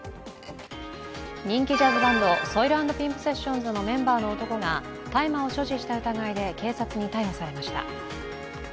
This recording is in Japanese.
人気ジャズバンド・ＳＯＩＬ＆ＰＩＭＰＳＥＳＳＩＯＮＳのメンバーの男が大麻を所持した疑いで警察に逮捕されました。